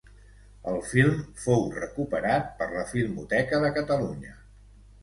El film fou recuperat per la Filmoteca de Catalunya.